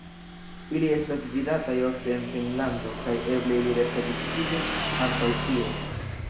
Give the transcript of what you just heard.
Ili estas vidataj ofte en Finnlando kaj eble ili reproduktiĝas ankaŭ tie.